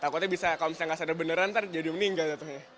kalau tidak sadar benar nanti jadi meninggal